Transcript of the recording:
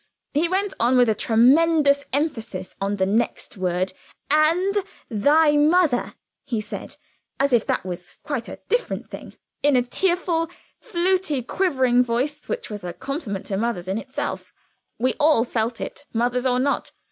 He went on with a tremendous emphasis on the next word. 'And thy mother,' he said (as if that was quite a different thing) in a tearful, fluty, quivering voice which was a compliment to mothers in itself. We all felt it, mothers or not.